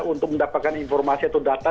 untuk mendapatkan informasi atau data